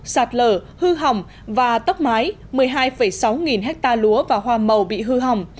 sạt lở hư hỏng và tốc mái một mươi hai sáu nghìn hectare lúa và hoa màu bị hư hỏng